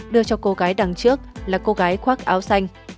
đưa cho cô gái đằng trước là cô gái khoác áo xanh